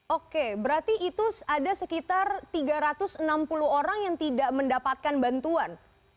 oke berarti itu ada sekitar tiga ratus enam puluh orang yang tidak mendapatkan bantuan